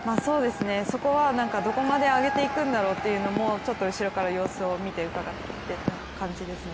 そこはどこまで上げていくんだろうというのも、ちょっと後ろから様子を見てうかがっていた感じですね。